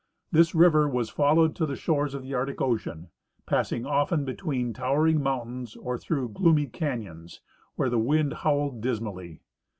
This river was followed to the shores of the Arctic ocean. j)ass ing often between towering mountains or through gloomy can yons, where the Avind howled dismally.